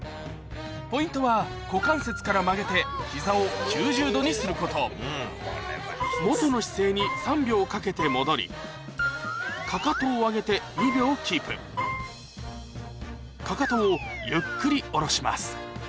ポイントは股関節から曲げて膝を９０度にすること元の姿勢に３秒かけて戻りかかとを上げて２秒キープかかとをゆっくり下ろします